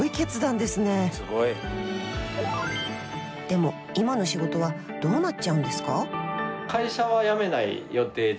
でも今の仕事はどうなっちゃうんですか？